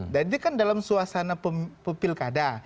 dan ini kan dalam suasana pepilkada